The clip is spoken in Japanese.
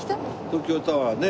東京タワーね